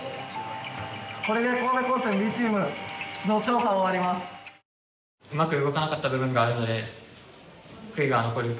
これで神戸高専Ｂチームの調査終わります。